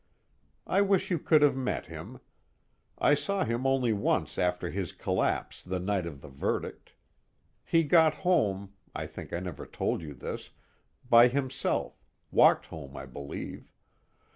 I wish you could have met him. I saw him only once after his collapse the night of the verdict. He got home I think I never told you this by himself, walked home I believe.